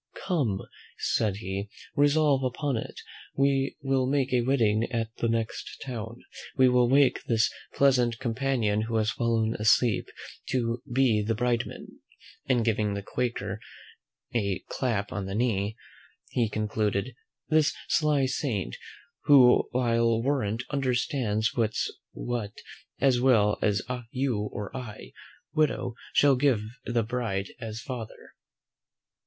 "Come," said he, "resolve upon it, we will make a wedding at the next town. We will wake this pleasant companion who has fallen asleep, to be the brideman" (and giving the quaker a clap on the knee) he concluded "This sly saint, who I'll warrant, understands what's what as well as you or I, widow, shall give the bride as father."